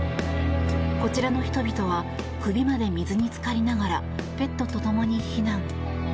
こちらの人々は首まで水に浸かりながらペットと共に避難。